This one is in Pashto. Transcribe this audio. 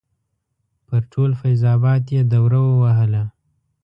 پر ټول فیض اباد یې دوره ووهله.